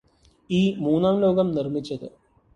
ഈ മൂന്നാം ലോകം നിര്മ്മിച്ചത്